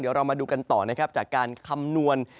เดี๋ยวเรามาดูกันต่อนะครับจากการคำนวณ